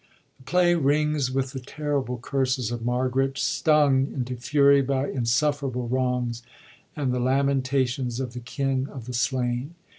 The play rings with the terrible curses of Margaret, stung into fury by insufferable wrongs, and the lamenta tions of the kin of the slain.